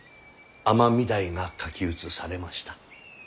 尼御台が書き写されました。